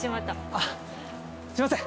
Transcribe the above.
あっすいません